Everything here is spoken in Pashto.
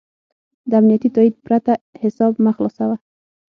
د امنیتي تایید پرته حساب مه خلاصوه.